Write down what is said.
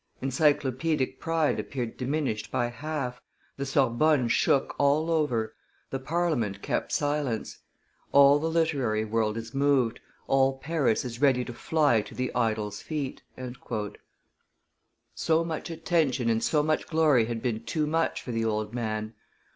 Encyclopeadic pride appeared diminished by half, the Sorbonne shook all over, the Parliament kept silence; all the literary world is moved, all Paris is ready to fly to the idol's feet." So much attention and so much glory had been too much for the old man.